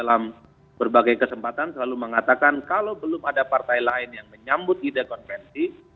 dalam berbagai kesempatan selalu mengatakan kalau belum ada partai lain yang menyambut ide konvensi